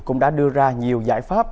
cũng đã đưa ra nhiều giải pháp